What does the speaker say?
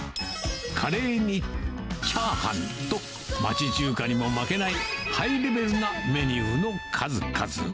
カレーに、チャーハンと、町中華にも負けないハイレベルなメニューの数々。